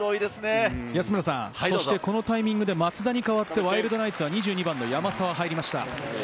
このタイミングで松田に代わって、ワイルドナイツは２２番の山沢が入りました。